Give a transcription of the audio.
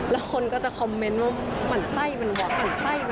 และคนก็จะคอมเม้นว่าหมั่นไส้มันหวะหมั่นไส้มันหวะ